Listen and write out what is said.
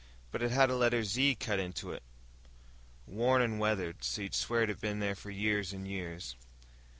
"But it had a letter 'Z' cut into it. Worn and weathered, so you'd swear it had been there for years and years."